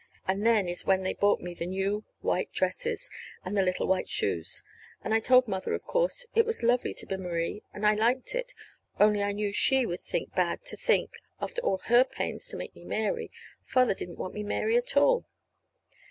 And then is when they bought me the new white dresses and the little white shoes. And I told Mother, of course, it was lovely to be Marie, and I liked it, only I knew she would feel bad to think, after all her pains to make me Mary, Father didn't want me Mary at all.